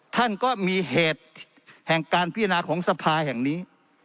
ท่านก็มีเหตุแห่งการพิจารณาของสภาแห่งนี้